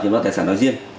trong các tài sản nói riêng